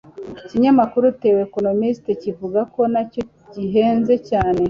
Ikinyamakuru The Economist kivuga ko nacyo gihenze cyane